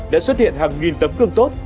đã xuất hiện hàng nghìn tấm cương tốt